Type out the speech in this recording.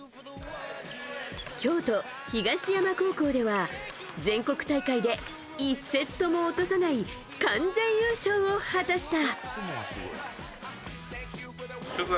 京都・東山高校では、全国大会で１セットも落とさない完全優勝を果たした。